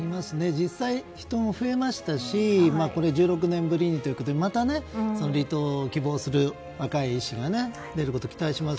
実際に人も増えましたしこれ、１６年ぶりにということでまた離島を希望する若い医師が出ることを期待します。